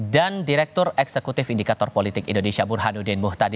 dan direktur eksekutif indikator politik indonesia burhanuddin muhtadi